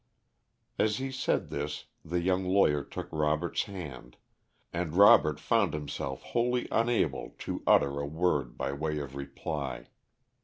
As he said this the young lawyer took Robert's hand, and Robert found himself wholly unable to utter a word by way of reply.